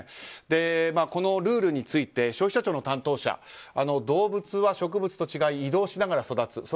このルールについて消費者庁の担当者動物は植物と違い移動しながら育つ。